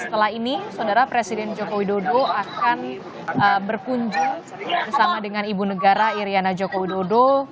setelah ini saudara presiden joko widodo akan berkunjung bersama dengan ibu negara iryana joko widodo